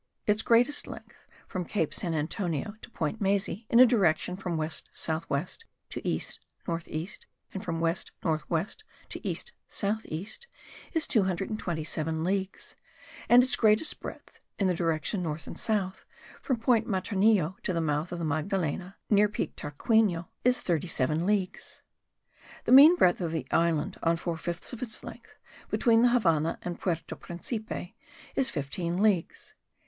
Its greatest length, from Cape San Antonio to Point Maysi (in a direction from west south west to east north east and from west north west to east south east) is 227 leagues; and its greatest breadth (in the direction north and south), from Point Maternillo to the mouth of the Magdalena, near Peak Tarquino, is 37 leagues. The mean breadth of the island, on four fifths of its length, between the Havannah and Puerto Principe, is 15 leagues.